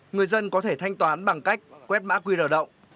người dân có thể thanh toán bằng cách quét mã qr động